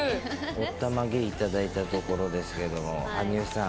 おったまげ頂いたところですけれども、羽生さん、